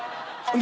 「何？